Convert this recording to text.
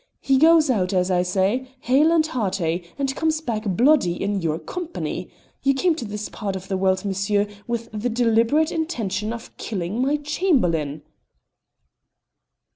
He goes out, as I say, hale and hearty, and comes back bloody in your company. You came to this part of the world, monsieur, with the deliberate intention of killing my Chamberlain!"